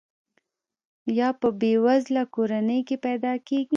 یا په بې وزله کورنۍ کې پیدا کیږي.